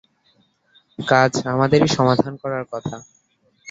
কাজ আমাদেরই সমাধান করার কথা।